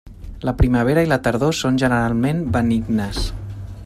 La primavera i la tardor són generalment benignes.